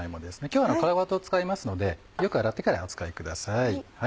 今日は皮ごと使いますのでよく洗ってからお使いください。